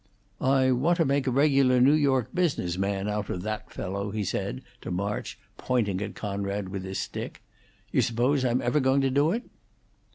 "I want to make a regular New York business man out of that fellow," he said to March, pointing at Conrad with his stick. "You s'pose I'm ever going to do it?"